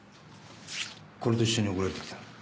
これと一緒に送られてきた。